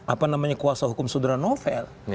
apa namanya kuasa hukum saudara novel